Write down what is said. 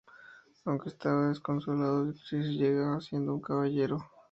Aunque estaba desconsolado, Chris seguía siendo un caballero.